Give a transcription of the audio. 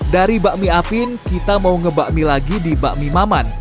dari bakmi apin kita mau ngebak mie lagi di bakmi maman